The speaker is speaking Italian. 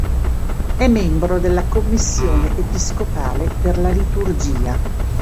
È membro della Commissione Episcopale per la liturgia.